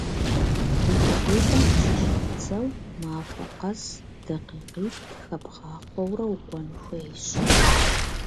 ДакъикъитӀым къыщыщӀэбдзэу, махуэ къэс дакъикъитӀ хэбгъахъуэурэ укӀуэн хуейщ.